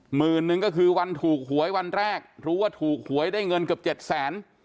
หมื่นนึงก็คือวันถูกหวยวันแรกรู้ว่าถูกหวยได้เงินเกือบเจ็ดแสน